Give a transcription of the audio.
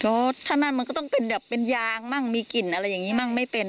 ก็ถ้านั่นมันก็ต้องเป็นแบบเป็นยางมั่งมีกลิ่นอะไรอย่างนี้มั่งไม่เป็น